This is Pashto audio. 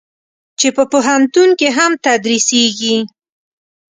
چې په پوهنتون کې هم تدریسېږي.